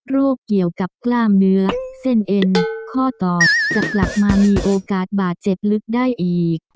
เกี่ยวกับกล้ามเนื้อเส้นเอ็นข้อตอกจะกลับมามีโอกาสบาดเจ็บลึกได้อีก